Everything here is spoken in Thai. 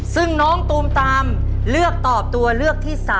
ซึ่งน้องตูมตามเลือกตอบตัวเลือกที่๓